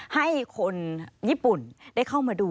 ให้คนญี่ปุ่นได้เข้ามาดู